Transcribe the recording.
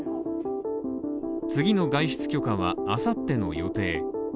次の外出許可は、あさっての予定。